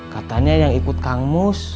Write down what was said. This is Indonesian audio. katanya yang ikut kang mus